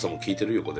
横で。